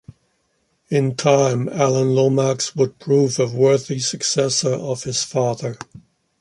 In time, Alan Lomax would prove a worthy successor of his father.